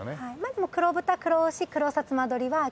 でも黒豚黒牛黒さつま鶏は。